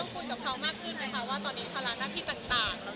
คุยกับเขามากขึ้นไหมคะว่าตอนนี้ภาระหน้าที่ต่าง